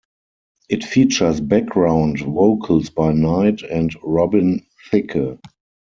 It features background vocals by Knight and Robin Thicke.